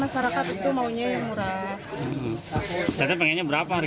sekarang ibu beli berapa